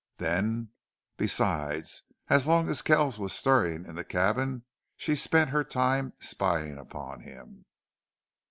Then, besides, as long as Kells was stirring in the cabin she spent her time spying upon him.